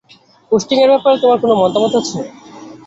Posting এর ব্যাপারে তোমার কোনো মতামত আছে?